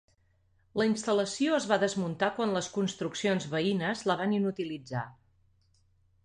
La instal·lació es va desmuntar quan les construccions veïnes la van inutilitzar.